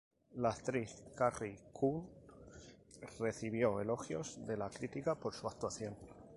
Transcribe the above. La actriz Carrie Coon recibió elogios de la crítica por su actuación.